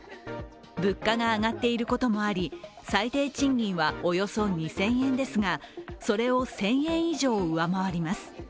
物価が上がっていることもあり最低賃金はおよそ２０００円ですがそれを１０００円以上上回ります。